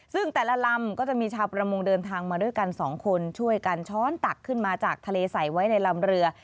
ซึ่งแต่ละลำก็จะมีชาวประมงเดินทางมาด้วยกันสองคนช่วยกันช้อนตักขึ้นมาจากทะเลใส่ไว้ในลำเรือ